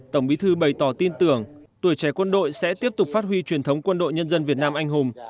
tổng bí thư bày tỏ tin tưởng tuổi trẻ quân đội sẽ tiếp tục phát huy truyền thống quân đội nhân dân việt nam anh hùng